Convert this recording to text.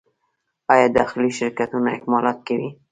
آیا داخلي شرکتونه اکمالات کوي؟